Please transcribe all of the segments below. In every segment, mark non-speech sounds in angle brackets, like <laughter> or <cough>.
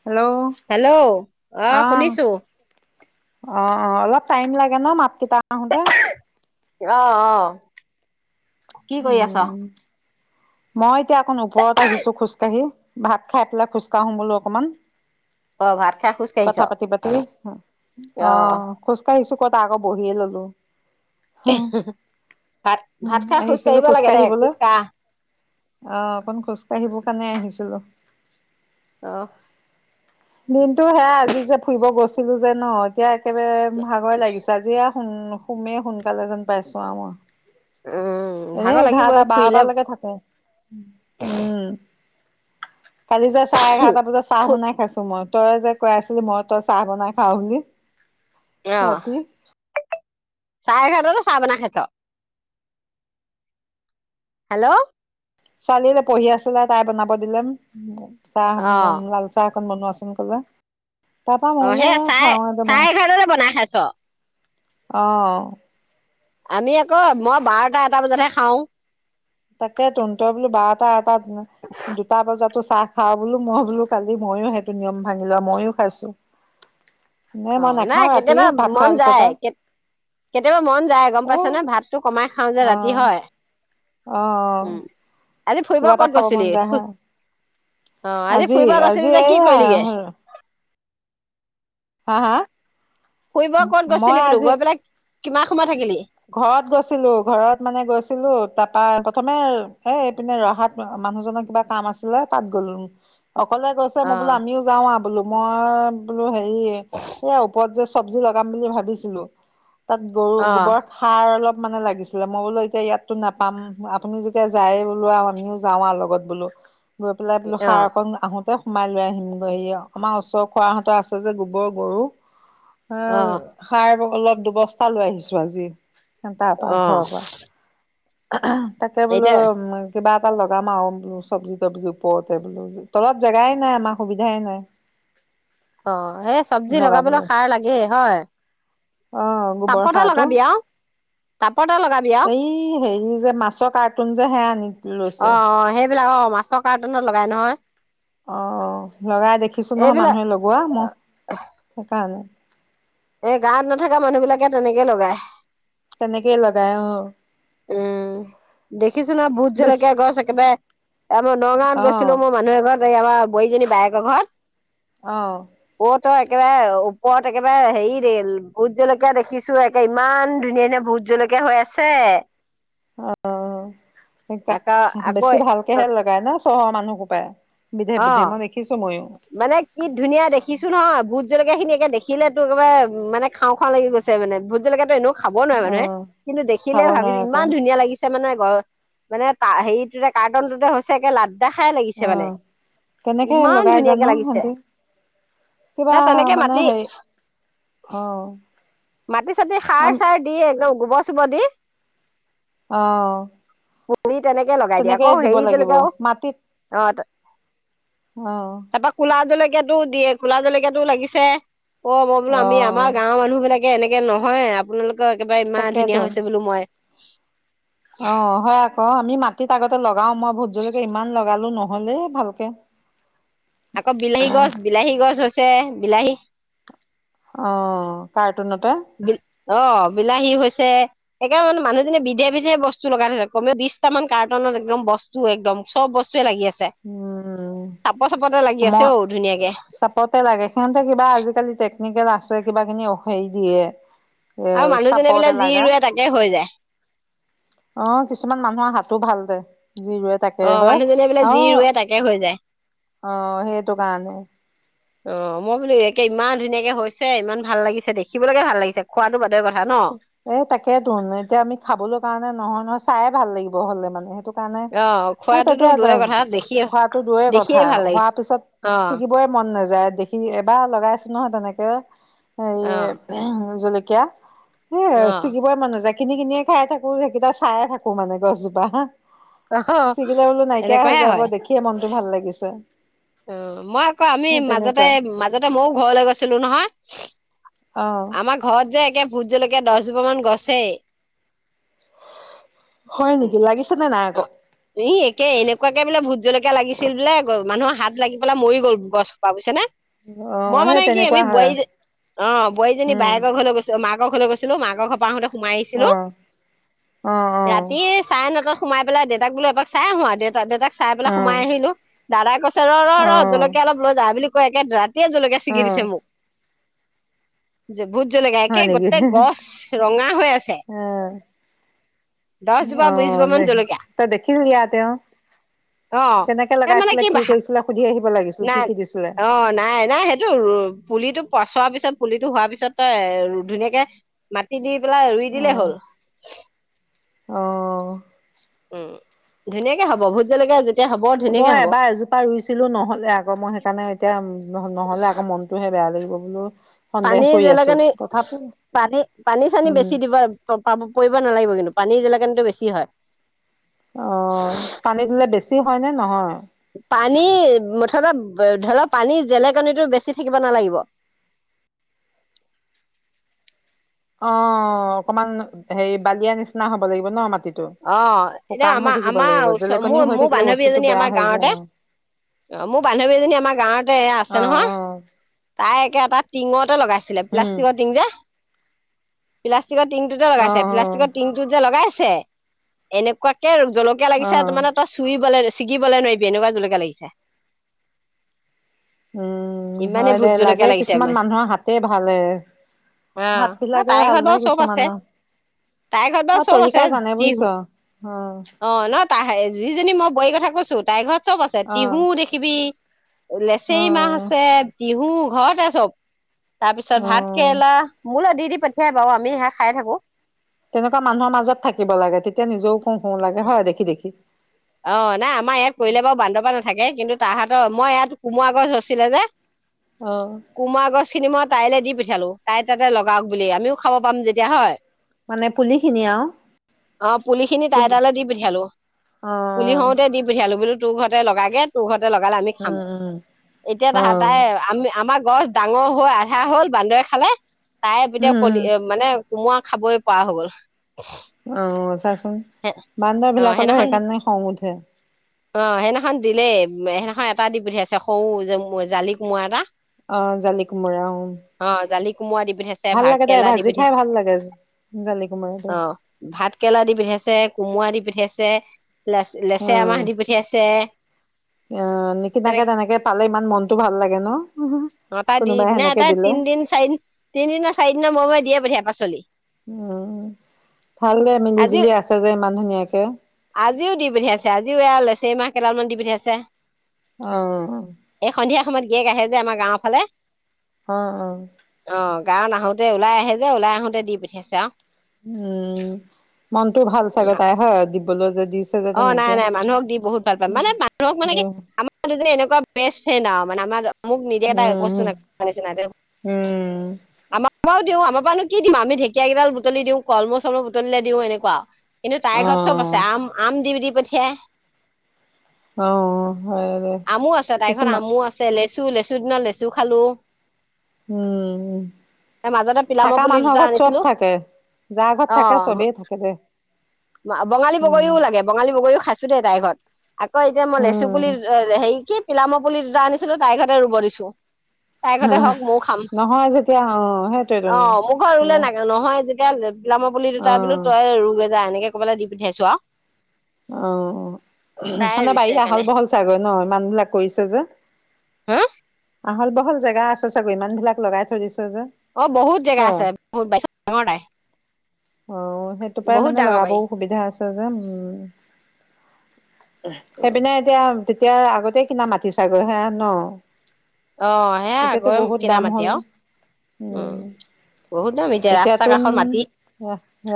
অ hello অ শুনিছো অ অ অলপ টাইম লাগে ন মাত। তে তাপা আহোঁতে। অ অ কি কৰি আছ। মই এতিয়া আকৌ ওপৰত আহিছো খোজকাঢ়ি। ভাত খাই পেলাই খোজকাঢ়োম বোলো অকণমান। অ ভাত খাই খোজ কাঢ়িছ? কথা পাতি পাতি অ খোজকাঢ়িছো। কত আকৌ বহিয়ে ললো। হম এহো হোভাত ভাত খাই সুস্থ ছিলো খোজকাঢ়িবলৈ অ অকন খোজকাাঢ়িব কাৰণে আহিছিলো। আহ দিনতটো সেয়া আজি যে ফুৰিব গৈছো। ছিলো যে ন এতিয়া। একেবাৰে ভাগৰে লাগিছে আজি আউ সোমেই সোনকালে যেন পাইছো মই উম এনে ভাগৰ লাগিবই এঘাৰটা ফুৰিলে বাৰটালৈকে থাকে। উম কালি যে চাৰে এঘাৰটা বজাত চাহ ফু বনাই খাইছো মই তই যে কৈ আছিলি মই তই চাহ বনাই খাও বুলি। অ ৰাতি চাহ খৰতো চা বনাই খাইচ। হেল্ল' ছোৱালী পঢ়ি আছিলে তাই বনাব দিলেম। চাহ মন লাল চাহ। খন বনোৱা চোন ক'বা। অ সেয়া চাহ চাহ এঘাৰৰে বনাই খাইছো। ছ আহঁ আমি আকৌ মই বাৰটা এটা বজাতহে খাওঁ। তাকে ত তই বোলো বাৰটা এটা দুটা বজাতো। চাহ খাওঁ বোলো মই বোলো কালি ময়ো সেইটো নিয়ম ভাঙি লোৱা মইো খাইছো। নে অ মই নাখাও নাই ৰাতি কেতিয়াবা ভাত মন খোৱাৰ পিছত যায় আও কেত কেতিয়াবা মন যায় গম এ পাইছনে ভাতটো কমাই খাও যে ৰাতি হয় অ--হ উম আজি ফুৰিব ক'ত গৈছিলি অ আজি ফুৰিব গৈছিলি আজি যে কি এইয়া কৰিলিগে হা হা ফুৰিব ক'ত মই গৈছিলি বোলো আজি গৈ পেলাই কিমান সময় থাকিলি ঘৰত গৈছিলো ঘৰত মানে গৈছিলো তাত প্ৰথমে এইপিনে ৰহাত মানুহজনৰ কিবা কাম আছিলে তাত গলোং অকলে গৈছে অ মই বোলো আমি যাওঁ আও বোলো মই বোলো হে সেইয়ে এয়া ওপৰত যে চবজি লগাম বুলি ভাবিছিলো তাত গৰু অ গোবৰ অলপ মানে লাগিছিলে মই বোলো এতিয়া ইয়াততো নাপাম আপুনি যেতিয়া যায় বোলো আৰু আমিও যাওঁ আৰু লগত বোলো গৈ পেলাই বোলো অ সাৰ কৰিম আহোঁতে সোমাই লৈ আহিম গৈ হেৰি অ আমাৰ ওচৰৰ খোৱাহঁতৰ আছে যে গোবৰ গৰু অ সাৰ আৰু অলপ দুবস্থা লৈ আহিছো আজি তা পা অ ঘৰৰ পৰা অ তাকে বোলো এতিয়া উ কিবা এটা লগাম আৰু বলো চবজি তবজি ওপৰতে বোলো তলত জেগাই নাই আমাৰ সুবিধাই নাই অ সেই চবজি লগাবলৈ সাৰ লাগেই হয় অ গোবৰ তাপতে সাৰটো লগাবি আও টাপতে লগাবি আও এই হেয়ি যে মাছৰ কাৰ্টুন যে হেয়া আনিম অ অ সেইবিলাক অ মাছৰ কাৰ্টনত লগাই নহয় অ লগাই দেখিছো নহয় এইবিলাক মানুহে লগোৱা ম সেইকাৰণে এ গাঁৱত নাথকা মানুহ বিলাকে তেনেকে লগায় তেনেকেই লগাই অ উম দেখিছো নহয় ভোট বেছ জলকীয়া গছ একেবাৰে মই নগাঁৱত অ গৈছিলো মই মানুহ এঘৰত এই আমাৰ বোৱাৰীজনী বায়েকৰ ঘৰত অ কত ত একেবাৰে ওপৰত একেবাৰে হেৰি ৰেল ভোট জলকীয়া দেখিছো একে ইমান ধুনীয়া ধুনীয়া ভোট জলকীয়া হৈ আছে অ আকৌ আকৌ বেছি ভালকেহে লগায় ন চহৰৰ মানুহ সোপায় বিধে অ বিধে মই দেখিছো ময়ো মানে কি ধুনীয়া দেখিছো নহয় ভোট জলকীয়া খিনি একে দেখিলে তো একেবাৰে মানে খাওঁ খাওঁ লাগি গৈছে মানে ভোট জলকীয়াটো এনেও খাব নোৱাৰে মানুহে অ কিন্তু দেখিলে খাব ভাবিছ নোৱাৰে আকৌ, ইমান ধুনীয়া লাগিছে মানে গ মানে তা হেৰিটোতে কাৰ্টনটোতে হৈছে একে লাড দেখাই লাগিছে মানে ইমান ধুনীয়া অ হব কিবা তেনেকে মানে মাটি সেই অ মাটি চাতি সাৰ আম চাৰ দিয়ে গুবৰ চোবৰ দি অহ ভৰিত তেনেকে লগাই দিয়ে আকৌ হেৰি জলকীয়াও মাটিত অ অ' তাৰাপা কোলা জলকীয়াটো দিয়ে কোলা জলকীয়াটো লাগিছে অ মই বোলো অ' অ, আমি আমাৰ গাঁৱৰ মানুহ বিলাকে এনেকে নহয় আপোনালোক একেবাৰে ইমান ধুনীয়া তাকেতো হৈছে বোলো মই <inaudible> অ হয় আকৌ আমি মাটিত আগতে লগ ও মই ভোটজলকীয়া ইমান লগা লগালো নহ'লে ভালকে আকৌ বিলাহী গছ বিলাহী গছ হৈ ছে বিলাহী অ পাই বি অ বিলাহী হৈছে একে মানে মানুহজনে বিধে বিধে বস্তু লগাই থৈছে কমে বিশটা মান কাৰ্টনত একদম বস্তু একদম চব বস্তুৱে লাগি আছে চাপৰ চাপৰতে লাগি উম আছে মই ঔ ধুনীয়াকে চাপতে লাগে সিহঁতে কিবা আজিকালি টেক এনেকে লাগছে কিবা কিনি সেৰি দিয়ে এ আৰু মানুহজনে বোলে চাপৰতে যি লগা ৰুৱে তাকে হৈ যায়। অহ কিছুমান মানুহৰ হাতো ভাল দে যি ৰৱে অ তাকে হয় মানুহজনে বোলে যি ৰুৱে তাকে হৈ যায় অ সেইটো কাৰণে অ মই বোলো একে ইমান ধুনীয়াকে হৈছে ইমান ভাল লাগিছে দেখিবলৈকে ভাল লাগিছে খোৱাটো বা এ, তাকে ধৰণ এতিয়া আমি খাবলৈ কাৰণে নহয় নহয় চাইে ভাল লাগিব। হলে মানে সেইটো। অ হে খোৱাটোতো তেতিয়া দূৰে কথা দেখিয়ে খোৱাতো দূৰৰ দেখিয়ে কথা ভাল হোৱাৰ লাগিছে পিছত অ ছিগিবই মন নাযায় দেখি এবাৰ লগাই। নহয় তেনেকে। অ এইয়ে। <unintelligible> এ অ ছিঙিবই মান নাযায় । কিনি কিনিয়ে খাই থাকো, সেইকেইটা চাইে থাকো মানে গছজোপা হা। অ ছিগিলে বোলো নাইকিয়া হৈ এনেকুৱাহে যাব হয় দেখিয়ে মন। ভাল লাগিছে। অ, মই আকৌ আমি সেই মাজতে তেনেকুৱা মাজতে মইও ঘৰলৈ গৈছিলো নহয়। অ আমাৰ ঘৰত যে, একে ভোজ জলৈকে দহ। জোপামান গছে। হয় নেকি লাগিছে নে নাই আকৌ? উম, একে এনেকুৱাকে বোলে ভোত জলকীয়া লাগিছিল বোলে মানুহৰ হাত। লাগি পেলাই মৰি গ'ল গছোপা বুজছে নে। অ মই মানে সেই কি তেনেকুৱা ইনেই হয় বোৱাৰী অ বোৱাৰীজনী উম বায়েকৰ ঘৰলৈ গৈছো মাক। ঘৰলে গৈছিলোঁ, মাক ঘৰ পৰা আহোতে। সোমাই আহিছিলো অ অ অ ৰাতি চাৰে নটা সোমাইেলাই দেতাক বোলো এাকাই আহো আৰু দেউা দেউাক। চাই পেলাই অ সোমাই আহিলো। দাদাই কৈছে। অ ৰহ, জলকীয়া অলপ ল যা বুলি। একে ড্ৰাত <unintelligible> তেতিয়া জলকীয়া অ ছিগি দিছে মোক। ভোট জলকীয়া একে হয় নেকি গোটেই গছ ৰঙা হৈ আছে! অ দহ জোপা অ বিশ জোপা মান দে জলকীয়া তই দেখিলি আ তেওঁ অ কেনেকে এই মানে লগাইছিলে কি বাহা।। কৰিছিলে সুধি আহিব লাগিছিল কি নাই, কি দিছিলে অ নাই নাই সেইটো পুলি। পুলিটো পচোৱাৰ পিছত পুলিটো হোৱাৰ পিছত ধুনীয়াকে মাটি দি। পেলাই ৰুই দিলেই হ'ল। অঁ। উম, ধুনীয়াকে হ'ব ভুত জলেকীয়া। মই এবাৰ এজোপা ৰুইছিলো নহলে আকৌ মই সেইকাৰণে এতিয়া নহলে আকৌ মনতটোহে বেয়া লাগিল। <inaudible> পানী যেলেকানি পানী পানী চানী উম বেছি দিব পাব পৰিব নালাগিব কিন্তু। পানী জলে কিন্তু বেছি হয় অ পানী দিলে বেছি বেছি হয় নে নহয় পানী মুঠতে ধৰ পানী জেলেকণীটো বেছি থাকিব নালাগিব অ অকমান হেৰি বালিয়া নিচিনা হব লাগিব ন মাটিত অ এতিয়া আমাৰ আমাৰ ওচ জেলেকনি মোৰ হৈ মোৰ থাকিলে বান্ধৱী বস্তুটো এজনী বেয়া আমাৰ হৈ গাঁৱতে যায় অ মোৰ বান্ধৱী এজনী আমাৰ গাঁৱতে অ অ আছে নহয় তাই একে এটা টিঙতে লগাইছিলে উম প্লাষ্টিকৰ টিং যে পিলাচ ।প্লাষ্টিকৰ টিংটো ত অ লগাইছে প্লাষ্টিকৰ টিং টটোত যে লগাই হে এনেকুৱাকে আৰু জলকীয়া অ অ লাগিছে ত মানে ত চুই বলে ছিকিবলে নোৱাৰিবি এনেকুৱা জলকীয়া লাগিছে উম ইমানে হয় দে ভূত লাগে জলকীয়া লাগিছে কিছুমান মানে মানুহৰ হাতে ভালে হাত অ বিলাকে তাইৰ ভাল ঘৰত দে বাৰু চব আছে কিছুমানৰ তাইৰ ঘৰত বাৰু চব তৰিকা আছে জান নাই বুজিছ তিহু অ অ ন তাহে যিজনী মই বোৱাৰি কথা কৈছো তাইৰ ঘৰত চব আছে অ তিহু দেখিবি অ লেচেৰি মাহ আছে বিহু ঘৰতে চব তাৰ পিছত অ ভাত কেৰেলা মূল আদিত পঠিয়াই বাৰু আমি স খাই থাকো তেনেকুৱা মানুহৰ মাজত থাকিব লাগে তেতিয়া নিজেও কো শুওঁ লাগে হয় দেখি দেখি অ নাই আমাৰ ইয়াত কৰিলে বাৰু বান্ধ বা থাকে কিন্তু তাহাঁতৰ মই ইয়াত কোমোৰা গছ আছিলে যে অ কোমৰা গছ খিনি মই তাইলে দি প পঠিয়ালো খালো তাই তাতে লগাওক বুলি আমিও খাব পাম যেতিয়া হয় মানে পুলি খিনি আৰু আহ পুলি খিনি তাই তালৈ দি পঠিয়ালো অ পুলি হওঁতে দি পঠালো বো তোৰ ঘৰতে লগাগে তোৰ ঘৰতে লগালে আমি খাম উম উম এতিয়া ত তাই অ', আমি আমাক গছ ডাঙৰ হৈ আধা হ'ল বান্দৰে খালে তাই বিতে উম, কলি এ মানে কোমোৱা খাবই প হ' গল অ চাচোন বান্দৰ অ বিলাকলৈও সেইদিনাখন সেইকাৰণে খং উঠে অ সেইদিনাখন দিলেই সেইদিনাখন এটা দি পঠিয়াইছে সৰু যে জালি কোমৰা এটা অ জালিকুমোৰা অ কোমোৰা দি পিঠাইছে ভাত কেৰেলা দি পিঠাইছে লাগে জালি কোমোৰাটো। অ ভাত কেৰেলা দি পিঠাইছে কোমৰা দি পিঠা কি আছে অ অ নিকিনাকে তেনেকে পালে ইমান মনটো ভাল লাগে ন অ তাই দি কোনোবাই নাই সেনেকে তাই দিলে তিনদিন চাৰিদিন তিনিদিনৰ চাৰিদিনৰ মূৰে মূৰে দিয়ে পঠিয়াই পাচলি উ ভাল যে মিলি আজি জুলি আছে যে ইমান ধুনীয়াকে আজিও দি পঠিয়াইছে আজিও এইয়া লেছেই মাহ কেইদালমান দি পঠিয়াইছে অহ সমত গিয়েক আহে যে আমাৰ গাঁৱৰ ফালে অঁ অঁ অ গাঁৱত আহোতে ওলাই আহে যে ওলাই আহোঁতে দি পঠাইছে আৰু উম মনটো ভাল চাগে তাই হয় বল যি অ নাই নাই মানুহক দি বহুত ভাল পায় মানে মানুহক মানে কি উম, আমাৰ দুজনী এনেকুৱা বেষ্ট ফ্ৰেড আও মানে আমাৰ মোক নিদিয়া এটা একো বস্তু উম, নিচিনা দেও উম। আমাৰ পাও দিওঁ আমাৰ পা নো কি দিম আ আমি ধেকীয়া কেইডাল বুটলি দিওঁ কলমৌ চলমৌ বুটলিলে দিওঁ এনেকুৱা কিন্তু তাইৰ ঘৰত চব অ', আছে আম দি বি দি পঠিয়াই অ হয়ে দে আমো আছে তাইৰ ঘৰত কিছমান আমো আছে লেচু লেচু দিনত লেচু খালো উম মাজতে পিলামৰ থকা পুলি দুটা মানুহৰ ঘৰত আনিছিলো চব থাকে যাৰ ঘৰত থাকে অ চবেই থাকে দে বঙালী উম, বগৰীও লাগে বঙালী বগৰীও খাইছো দেই তাইৰ ঘৰত আকৌ এতিয়া মই লেচু উম। পুলি হেৰি কি পিলাম পুলি দুটা আনিছিলো তাইৰ ঘৰতে ৰুব দিছো তাইৰ ঘৰতে হওক মৱো খাম নহয় যেতিয়া অ', অ সেইটোৱেইটোন মোৰ ঘৰ ৰুলে অ', নাগা নহয় যে <unintelligible> পিলামৰ পুলি দুটা বোলো তই ৰোগে যা এনেকে কৈ পেলাই দি পঠিয়াইছো আও অ সন ৰুইছে বাৰি আহল সেইকাৰণে বহল চাগৈ ন ইমান বিলাক কৰিছে যে হা আহল বহল জেগা আছে চাগৈ ইমান বিলাক লগাই থৈ দিছে যে অ বহুত জেগা হয়। আছে বহুত বাৰিখন ডাঙৰ দাই অ সেইটো পৰাই মানে লগাবও সুবিধা আছে যে উম। উম সেইপিনে এতিয়া তেতিয়া আগতে কিনা মাতি চাগৈ হে ন? অ সেয়া এতিয়াতো গৈ বহুত কিনা দাম মাটি হ'ল আও, উম বহুত দাম এতিয়া ৰাস্তা এতিয়াতোন কাষত মাটি।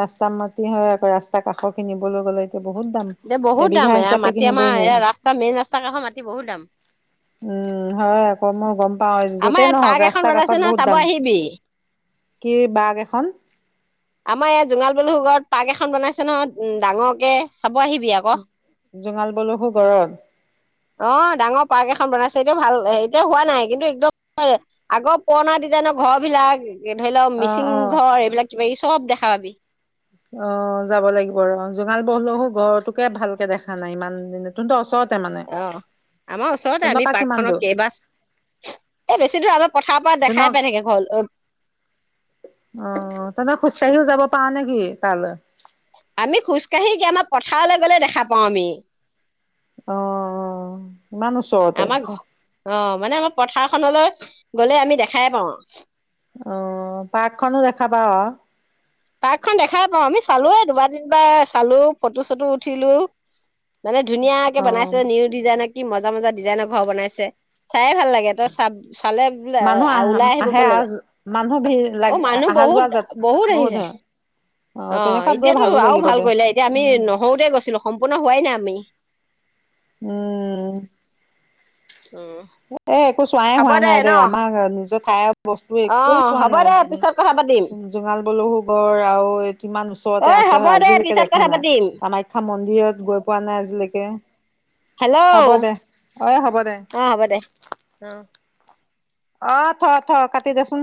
ৰাস্তা মাটি হয় আকৌ ৰাস্তা কাষ খিনিবলৈ গ'লে বহুত দাম। এতিয়া বহুত দাম এবিঘা এয়া হিচাপে মাটি আমাৰ কিনিবই এয়া নোৱাৰি। ৰাস্তা মেইন ৰাস্তা কাষৰ মাটি বহুত দাম উম হয় আক মই গম পাওঁ য'তে আমাৰ ইয়াত নহওক পাৰ্ক এখন ৰাস্তাৰ কাষত বনাইছে নহয় বহুত চাব দাম আহিবি। কি বাঘ এখন? আমাৰ ইয়াত জোঙাল বলু ঘৰত পাৰ্ক এখন বনাইছে ন উ ডাঙৰকে। চাব আহিবি আক। অ জোঙাল বলহু গড়ত ডাঙৰ পাৰ্ক এখন বনাইছ। সেইটো ভাল এতিয়া হোৱা নাই, কিন্তু একদম আগৰ পুৰণা ডিজাইনৰ ঘৰ বিলাক। ধৰি লওক অ মিচিং অ ঘৰ এইবিলাক কিবা চব দেখা পাবি। অ যাব লাগিব ৰ জোঙাল বহলহো গৰটোকে ভালকে দেখা নাই ইমান দিনে। <unintelligible> ওচৰত অ আমাৰ ওচৰতে আমি পৰা পাৰ্ক কিমান খনৰ দূৰ কেইবা এ বেছি দূৰ আগত তনক আহ তনক খোজ কঢ়িও যাব পাৱ নেকি তালে? আমি খোজকাাঢ়ি কি আমাৰ পথাৰলে গলে দেখা পাও আমি। আহ ইমান ওচৰতে? আমাৰ ঘৰ অ মানে আমাৰ পথাৰখনলৈ গ'লে আমি দেখাই পাওঁ। অ পাৰ্কখনো দেখাবা অ? পাৰ্কখন দেখাই পাওঁ আমি চালোয়ে দুবাৰ তিনিবাৰ চালো ফটো চটো উঠিলো। মানে ধুনীয়াকে অ বনাইছে নিউ ডিজাইন মজা মজা ডিজাইনৰ ঘৰ বনাইছে। চাই ভাল লাগে তই চাব চালে বোলে মানুহ আহ ওলাই আহিব আহে মন আহ নাযায়। মানুহ ভিৰ অ লাগ মানুহ অহা বহুত যোৱা যাত বহুত আহিছে। হয় অ তেনেকুৱাত গৈ এতিয়াতো ভালো আৰু লাগিব ভাল দে কৰিলে। এতিয়া আমি উম নহওতে গৈছিলো সম্পূৰ্ণ হোৱাই নাই আমি। উম অঁ। এ একো চোৱাইে হোৱা নাই দে। আমাৰ নিজৰ ঠাইৰ বস্তু অ একোৱেই চোৱা হ'ব দে নাই, পিছত কথা পাতিম জোঙাল বলহু গড় আৰু কিমান ঐ ওচৰতে আছে হ'ব হয় দে আজিলৈকে পিছত দেখা কথা নাই। পাতিম কামাখ্যা মন্দিৰত গৈ পোৱা নাই আজিলৈকে। হ'ব হেল্ল'? দে অ হ'ব দে। অহ। অ থ থ কাটি দেচোন।